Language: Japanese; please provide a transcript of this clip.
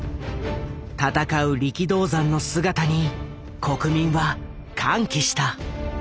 戦う力道山の姿に国民は歓喜した。